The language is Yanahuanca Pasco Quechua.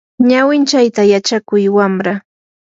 ñawinchayta yachakuy wamra.